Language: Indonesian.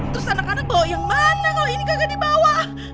terus anak anak bawa yang mana kalo ini kagak dibawa